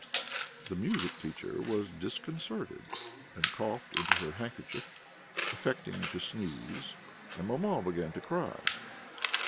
The music teacher was disconcerted, and coughed into her handkerchief, affecting to sneeze, and maman began to cry.